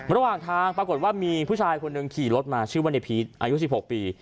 ระหว่างทางปรากฏว่ามีผู้ชายคนหนึ่งขี่รถมาชื่อว่าในพีชอายุ๑๖ปี